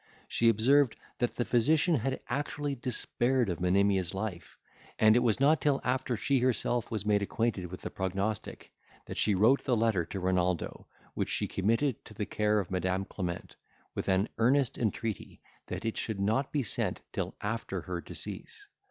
She observed, that the physician had actually despaired of Monimia's life, and it was not till after she herself was made acquainted with the prognostic, that she wrote the letter to Renaldo, which she committed to the care of Madam Clement, with an earnest entreaty, that it should not be sent till after her decease.